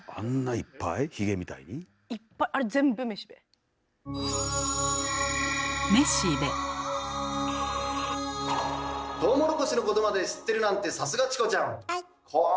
いっぱいあれ全部めしべ？トウモロコシのことまで知ってるなんてさすがチコちゃん！